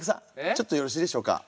ちょっとよろしいでしょうか？